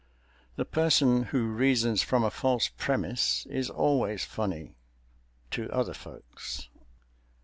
The person who reasons from a false premise is always funny—to other folks.